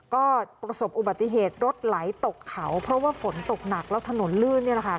ก็ประสบอุบัติเหตุรถไหลตกเขาเพราะว่าฝนตกหนักแล้วถนนลื่นนี่แหละค่ะ